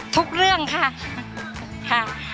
ทุกเรื่องค่ะ